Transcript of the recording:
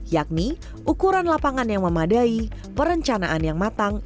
yakni ukuran lapangan yang memadai perencanaan yang matang